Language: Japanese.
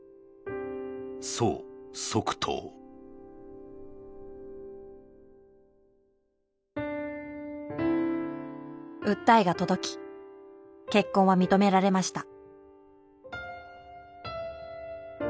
「荘則棟」訴えが届き結婚は認められました。